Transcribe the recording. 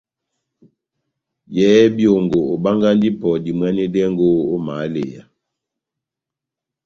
Yɛhɛ byongo, obangahi ipɔ dimwanedɛngo ó mahaleya.